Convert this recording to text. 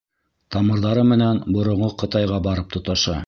Тамырҙары менән Боронғо Ҡытайға барып тоташа.